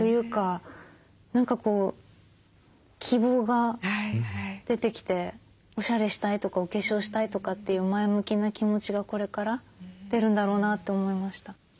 何かこう希望が出てきておしゃれしたいとかお化粧したいとかっていう前向きな気持ちがこれから出るんだろうなと思いました。